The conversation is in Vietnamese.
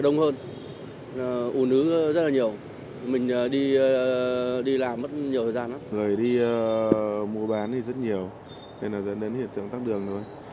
người đi mua bán thì rất nhiều nên là dẫn đến hiện tượng tắt đường thôi